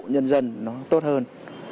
nhân dân nó tốt hơn